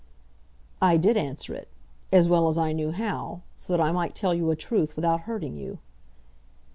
"I did answer it, as well as I knew how, so that I might tell you a truth without hurting you."